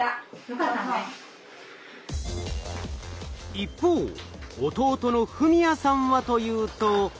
一方弟の史哉さんはというと。